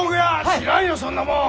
知らんよそんなもん！